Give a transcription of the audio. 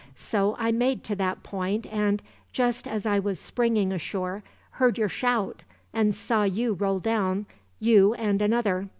So I made to that point and, just as I was springing ashore, heard your shout; and saw you roll down, you and another.